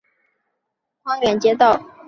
政府驻地匡远街道。